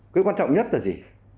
cái quan trọng nhất là gì